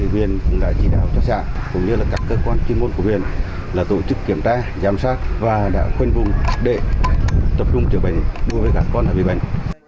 huyện đã chỉ đạo cho xã cũng như các cơ quan chuyên môn của huyện là tổ chức kiểm tra giám sát và đã khuyên vùng đệ tập trung chữa bệnh đối với các con bị bệnh